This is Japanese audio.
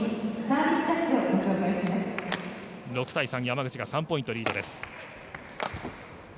６対３、山口が３ポイントリードです。